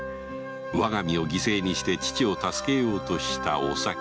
我が身を犠牲にして父を助けようとしたおさき